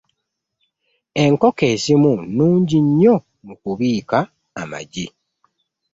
Enkoko ezimu nnungi nnyo mu kubiika amaggi.